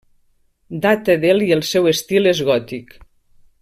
Data del i el seu estil és gòtic.